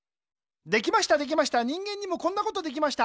できましたできました人間にもこんなことできました。